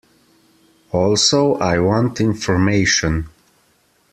Also, I want information.